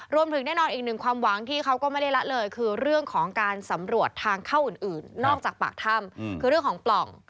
รวมถึงแน่นอนอีกหนึ่งความหวังที่เขาก็ไม่ได้ละเลยคือเรื่องของการสำรวจทางเข้าอื่นนอกจากปากถ้ำคือเรื่องของปล่อง